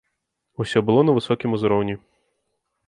Усё было на высокім узроўні.